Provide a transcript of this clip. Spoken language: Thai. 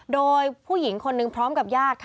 โดยผู้หญิงคนนึงพร้อมกับญาติค่ะ